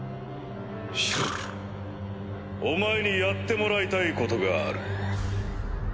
お前にやってもらいたいことがある。